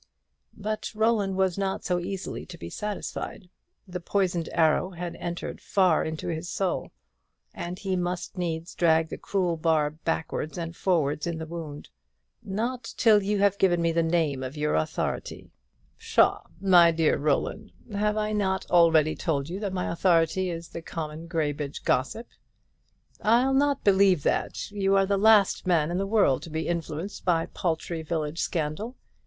But Roland was not so easily to be satisfied. The poisoned arrow had entered far into his soul, and he must needs drag the cruel barb backwards and forwards in the wound. "Not till you have given me the name of your authority," he said. "Pshaw! my dear Roland, have I not already told you that my authority is the common Graybridge gossip?" "I'll not believe that. You are the last man in the world to be influenced by paltry village scandal.